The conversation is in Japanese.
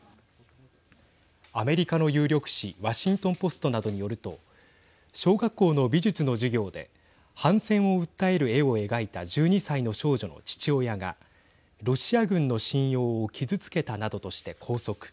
アメリカの有力紙ワシントン・ポストなどによると小学校の美術の授業で反戦を訴える絵を描いた１２歳の少女の父親がロシア軍の信用を傷つけたなどとして拘束。